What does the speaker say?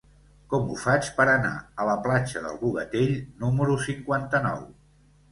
Com ho faig per anar a la platja del Bogatell número cinquanta-nou?